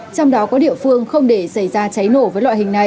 trong đó có địa phương không để xảy ra cháy nổ với loại hình này